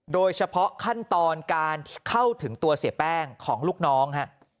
โดยเฉพาะขั้นตอนการเข้าถึงตัวเสียแป้งของลูกน้อง